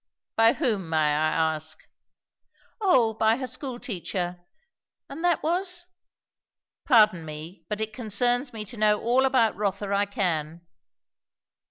"By whom, may I ask?" "O by her school teacher." "And that was ? Pardon me, but it concerns me to know all about Rotha I can."